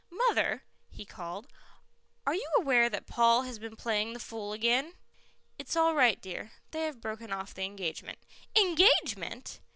"Mother," he called, "are you aware that Paul has been playing the fool again?" "It's all right, dear. They have broken off the engagement." "Engagement